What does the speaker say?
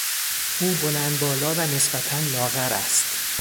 او بلند بالا و نسبتا لاغر است.